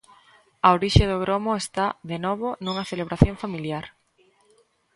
A orixe do gromo está, de novo, nunha celebración familiar.